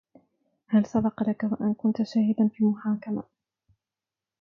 هل سبق لك و أن كنت شاهدا في محاكمة؟